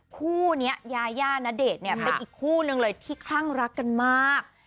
คู่นี้ยาย่าณเดชน์เนี่ยเป็นอีกคู่นึงเลยที่คลั่งรักกันมาก